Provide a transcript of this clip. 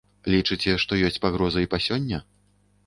Лічыце, што ёсць пагроза і па сёння?